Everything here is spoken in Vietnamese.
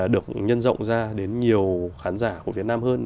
được nhân rộng ra đến nhiều khán giả của việt nam hơn